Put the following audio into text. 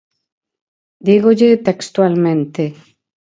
Dígolle textualmente.